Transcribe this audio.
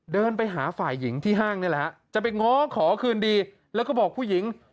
เดินไปหาฝ่ายหญิงที่ห้างนี่แหละฮะจะไปง้อขอคืนดีแล้วก็บอกผู้หญิง